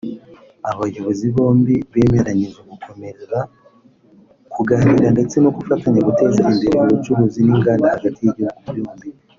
Abayobozi bombi bemeranyije gukomeza kuganira ndetse no gufatanya guteza imbere ubucuruzi n’inganda hagati y’ibihugu byombi